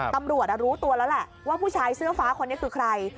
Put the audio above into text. ตำรวจรู้ตัวแล้วแหละว่าผู้ชายเสื้อฟ้าคนนี้คือใคร